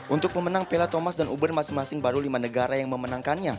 untuk memenang piala thomas dan uber masing masing baru lima negara